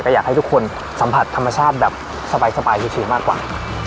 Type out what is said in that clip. อยากให้ทุกคนสัมผัสธรรมชาติแบบสบายชิวมากกว่า